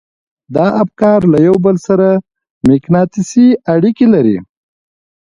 دا افکار له يو بل سره مقناطيسي اړيکې لري.